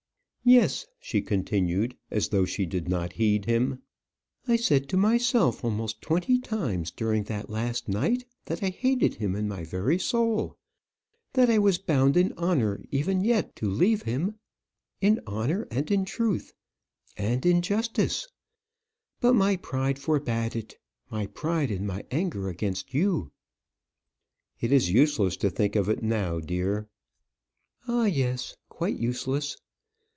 "Yes," she continued, as though she did not heed him, "I said to myself almost twenty times during that last night that I hated him in my very soul, that I was bound in honour even yet to leave him in honour, and in truth, and in justice. But my pride forbade it my pride and my anger against you." "It is useless to think of it now, dear." "Ah, yes! quite useless.